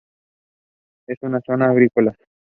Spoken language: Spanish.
Es una zona agrícola.